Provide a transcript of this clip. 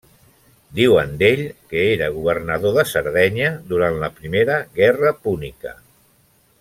Diuen d'ell que era governador de Sardenya durant la Primera Guerra Púnica.